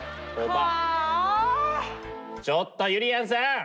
ちょっとゆりやんさん！